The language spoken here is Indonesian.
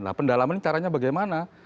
nah pendalaman ini caranya bagaimana